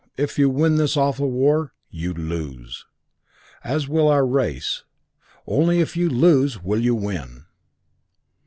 If you win this awful war you lose. As will our race. Only if you lose will you win."